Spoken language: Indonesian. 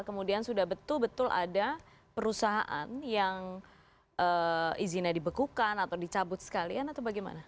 kemudian sudah betul betul ada perusahaan yang izinnya dibekukan atau dicabut sekalian atau bagaimana